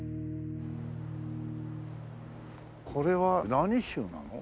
これは何宗なの？